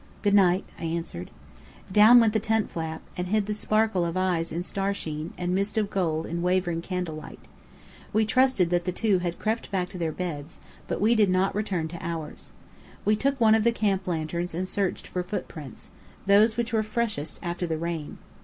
"Good night!" I answered. Down went the tent flap, and hid the sparkle of eyes in starsheen, and mist of gold in wavering candle light. We trusted that the two had crept back into their beds; but we did not return to ours. We took one of the camp lanterns and searched for footprints those which were freshest after the rain.